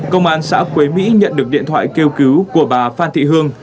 công an xã quế mỹ nhận được điện thoại kêu cứu của bà phan thị hương